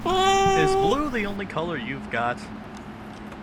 Is blue the only colour you've got?